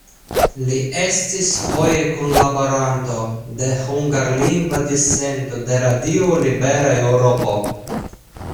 Li estis foje kunlaboranto de hungarlingva dissendo de Radio Libera Eŭropo.